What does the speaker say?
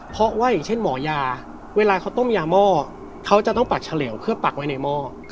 เพราะว่าอย่างเช่นหมอยาเวลาเขาต้มยาหม้อเขาจะต้องปักเฉลวเพื่อปักไว้ในหม้อ